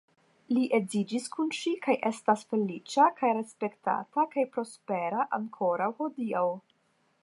Li edziĝis kun ŝi kaj estas feliĉa kaj respektata kaj prospera ankoraŭ hodiaŭ.